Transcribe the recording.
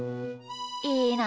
いいな。